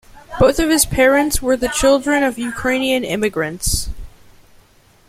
Both of his parents were the children of Ukrainian immigrants.